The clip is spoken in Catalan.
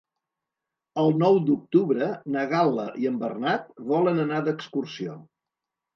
El nou d'octubre na Gal·la i en Bernat volen anar d'excursió.